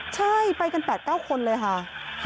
ใช่ไปกัน๘๙คนเลยค่ะ